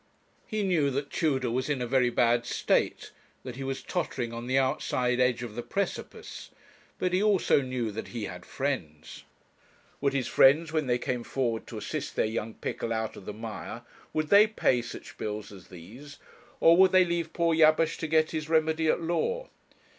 He knew that Tudor was in a very bad state, that he was tottering on the outside edge of the precipice; but he also knew that he had friends. Would his friends when they came forward to assist their young Pickle out of the mire, would they pay such bills as these or would they leave poor Jabesh to get his remedy at law?